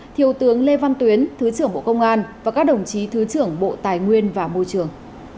thiếu tướng lê văn tuyến thứ trưởng bộ công an và các đồng chí thứ trưởng bộ tài nguyên và môi trường